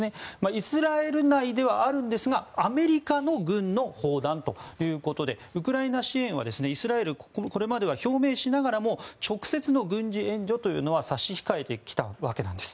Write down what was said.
イスラエル内ではあるんですがアメリカの軍の砲弾ということでウクライナ支援はイスラエル、これまでは表明しながらも直接の軍事援助というのは差し控えてきたわけなんです。